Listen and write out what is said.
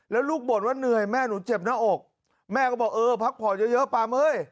แล้วลูกบ่นว่าเหนื่อยแม่หนูเจ็บหน้าอกแม่ก็บอกเออพักผ่อนเยอะปลาเม้ย